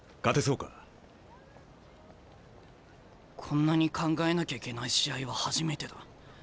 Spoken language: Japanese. こんなに考えなきゃいけない試合は初めてだ。